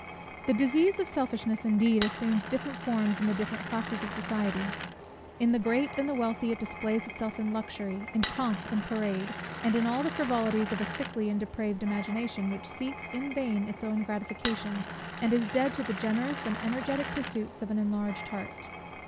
The disease of selfishness, indeed, assumes different forms in the different classes of society. In the great and the wealthy, it displays itself in luxury, in pomp and parade; and in all the frivolities of a sickly and depraved imagination, which seeks in vain its own gratification, and is dead to the generous and energetic pursuits of an enlarged heart.